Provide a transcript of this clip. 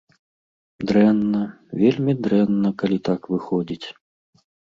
Дрэнна, вельмі дрэнна, калі так выходзіць.